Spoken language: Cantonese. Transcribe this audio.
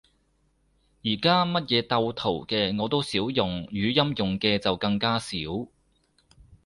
而家乜嘢鬥圖嘅，我都少用，語音用嘅就更加少